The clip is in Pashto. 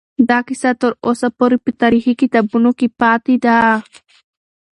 دا کیسه تر اوسه په تاریخي کتابونو کې پاتې ده.